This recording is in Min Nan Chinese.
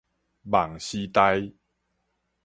夢時代